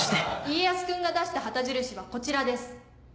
家康君が出した旗印はこちらです。